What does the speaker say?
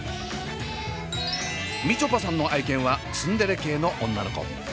みちょぱさんの愛犬はツンデレ系の女の子。